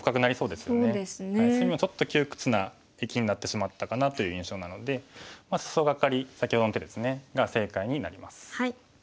隅もちょっと窮屈な生きになってしまったかなという印象なのでスソガカリ先ほどの手ですねが正解になります。